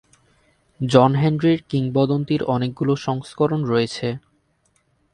জন হেনরির কিংবদন্তির অনেকগুলো সংস্করণ রয়েছে।